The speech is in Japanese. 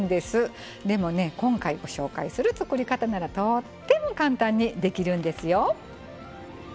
でもね今回ご紹介する作り方ならとっても簡単にできるんですよ。